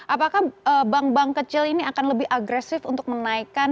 apakah bank bank kecil ini akan lebih agresif untuk menaikkan